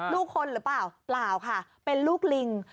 ลูกคนหรือเปล่าเป็นลูกลิง